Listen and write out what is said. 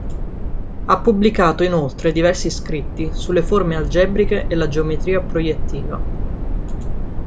Ha pubblicato inoltre diversi scritti sulle forme algebriche e la geometria proiettiva.